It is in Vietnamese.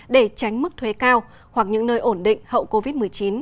để tránh mức thuế cao hoặc những nơi ổn định hậu covid một mươi chín